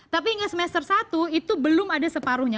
tapi hingga semester satu itu belum ada separuhnya